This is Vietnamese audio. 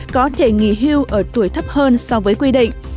có thể nghỉ hưu ở tuổi thấp hơn so với quy định